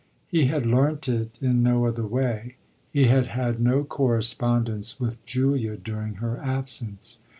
He had learnt it in no other way he had had no correspondence with Julia during her absence.